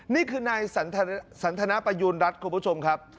นี่คือนายสันทนประยูณรัฐคุณผู้ชมครับ